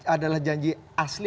adalah janji asli